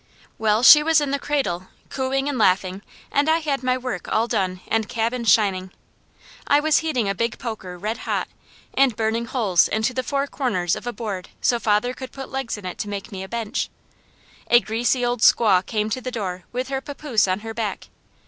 Well, she was in the cradle, cooing and laughing, and I had my work all done, and cabin shining. I was heating a big poker red hot, and burning holes into the four corners of a board so father could put legs in it to make me a bench. A greasy old squaw came to the door with her papoose on her back.